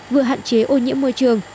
vừa hạn chế ô nhiễm môi trường